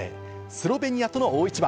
スロベニアとの大一番。